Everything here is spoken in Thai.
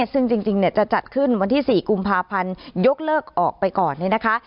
ซึ่งจริงจะจัดขึ้นวันที่๔กุมภาพันธ์ยกเลิกออกไปก่อนเนี่ยนะคะ